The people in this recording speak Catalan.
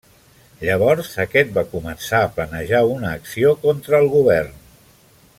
Llavors aquest va començar a planejar una acció contra el govern.